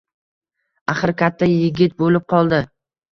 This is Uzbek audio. Axir katta yigit bo‘lib qoldi